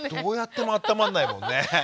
どうやってもあったまらないもんね。